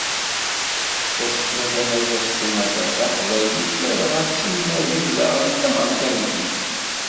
Tasekla tamaziɣt s umata, taqbaylit ladɣa d timawit daɣen d tamerkantit.